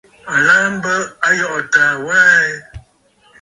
À laà m̀bə Ayɔꞌɔ̀ taa wa aa ɛ?